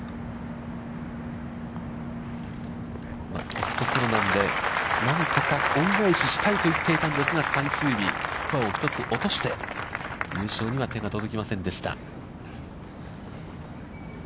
ホストプロなんで、何とか恩返ししたいと言っていたんですが、最終日、スコアを１つ落として、優勝には手が届きませんでした。